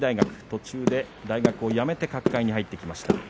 途中で大学を辞めて角界に入ってきました。